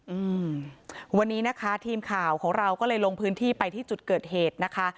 อืมวันนี้นะคะทีมข่าวของเราก็เลยลงพื้นที่ไปที่จุดเกิดเหตุนะคะ